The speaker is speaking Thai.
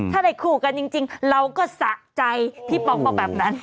ถ้าได้คู่กันจริงเราก็สะใจพี่ป๊อกบอกแบบนั้น